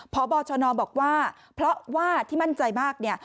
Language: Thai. พบชนบอกว่าที่มั่นใจมาก